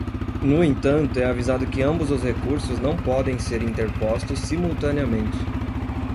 No entanto, é avisado que ambos os recursos não podem ser interpostos simultaneamente.